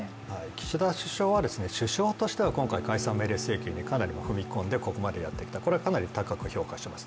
岸田首相は首相としては解散命令請求にこれまでかなり踏み込んで、ここまでやってきた、これはかなり高く評価しています。